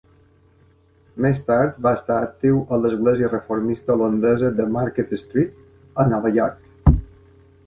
Més tard, va estar actiu a l'església reformista holandesa de Market Street a Nova York.